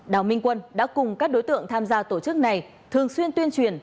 đào minh quân đã cùng các đối tượng tham gia tổ chức này thường xuyên tuyên truyền